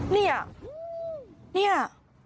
เนี่ยเนี่ย